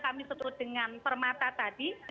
disuruh dengan permata tadi